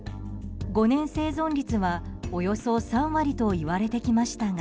５年生存率はおよそ３割といわれてきましたが。